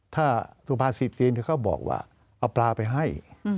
ถ้าสุภาษิตตีนเขาบอกว่าเอาปลาไปให้